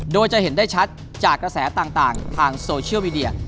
โดยจะเห็นได้ชัดจากกระแสต่างทางโซเชียลมีเดีย